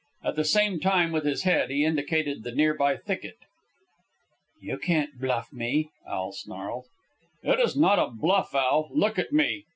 At the same time, with his head, he indicated the near by thicket. "You can't bluff me," Al snarled. "It is not a bluff, Al. Look at me.